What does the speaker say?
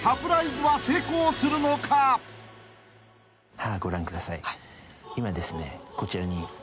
歯あご覧ください。